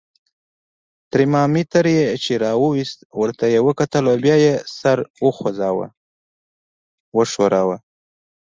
ترمامیتر یې چې را وایست، ورته یې وکتل او بیا یې سر وخوځاوه.